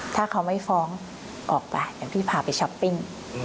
ถ้าเขาไม่ฟ้องออกไปอย่างพี่พาไปช้อปปิ้ง